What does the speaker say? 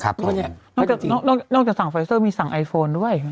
นอกจากสั่งไฟเซอร์มีสั่งไอโฟนด้วย